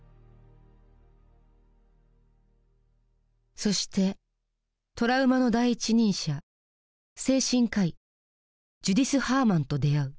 そしてトラウマの第一人者精神科医ジュディス・ハーマンと出会う。